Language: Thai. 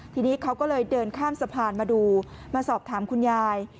ทีนี้เขาก็เลยเดินข้ามสะพานมาดูมาสอบถามคุณยาย